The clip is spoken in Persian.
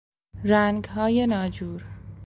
رنگهای ناجور